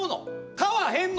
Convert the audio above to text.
買わへんの？